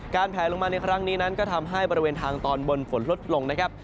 แผลลงมาในครั้งนี้นั้นก็ทำให้บริเวณทางตอนบนฝนลดลงนะครับ